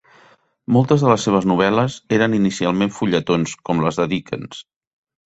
Moltes de les seves novel·les eren inicialment fulletons, com les de Dickens.